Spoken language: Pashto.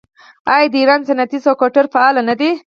آیا د ایران صنعتي سکتور فعال نه دی؟